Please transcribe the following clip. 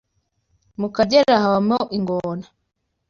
Mu Kagera habamo ingona